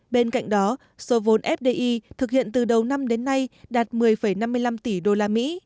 bên cạnh đó số vốn fdi thực hiện từ đầu năm đến nay đạt một mươi năm mươi năm tỷ usd